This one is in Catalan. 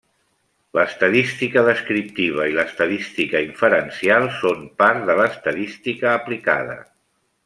L'estadística descriptiva i l'estadística inferencial són part de l'estadística aplicada.